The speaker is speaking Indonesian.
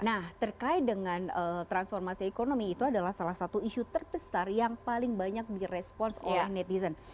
nah terkait dengan transformasi ekonomi itu adalah salah satu isu terbesar yang paling banyak direspons oleh netizen